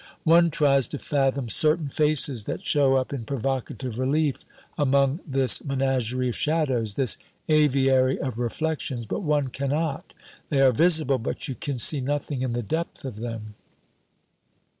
One tries to fathom certain faces that show up in provocative relief among this menagerie of shadows, this aviary of reflections. But one cannot. They are visible, but you can see nothing in the depth of them.